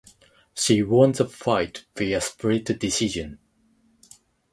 She won the fight via split decision.